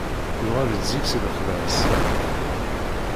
Yuɣal-d zik si lexla ass-a.